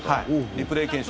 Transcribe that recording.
リプレー検証